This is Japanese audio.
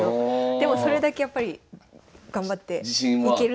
でもそれだけやっぱり頑張っていけると。